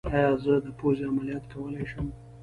ایا زه د پوزې عملیات کولی شم؟